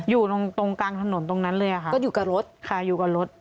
อยู่ตรงตรงกลางถนนตรงนั้นเลยค่ะก็อยู่กับรถค่ะอยู่กับรถ